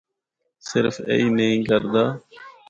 صرف ایہی نینھ کردا۔